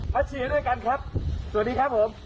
มาเชียร์ด้วยกันครับสวัสดีครับผม